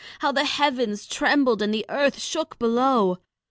How the heavens trembled and the earth shook below!